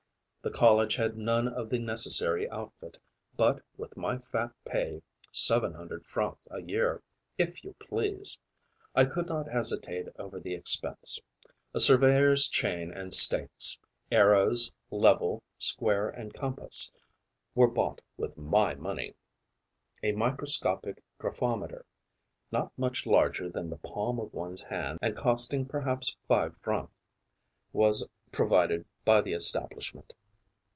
The college had none of the necessary outfit; but, with my fat pay seven hundred francs a year, if you please! I could not hesitate over the expense. A surveyor's chain and stakes, arrows, level, square and compass were bought with my money. A microscopic graphometer, not much larger than the palm of one's hand and costing perhaps five francs, was provided by the establishment.